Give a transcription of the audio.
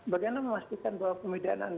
bagaimana memastikan bahwa pemidahan